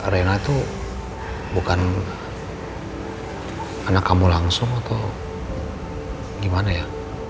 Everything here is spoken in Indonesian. rena itu bukan anak kamu langsung atau gimana ya